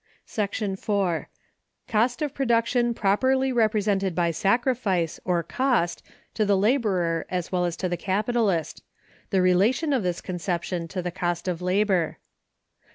§ 4. Cost of Production properly represented by sacrifice, or cost, to the Laborer as well as to the Capitalist; the relation of this conception to the Cost of Labor.